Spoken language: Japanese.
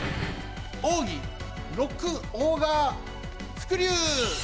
おうぎロックオーガースクリュー！